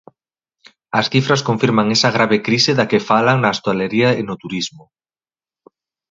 As cifras confirman esa grave crise da que falan na hostalería e no turismo.